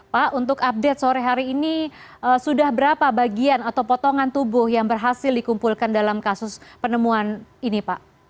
pak untuk update sore hari ini sudah berapa bagian atau potongan tubuh yang berhasil dikumpulkan dalam kasus penemuan ini pak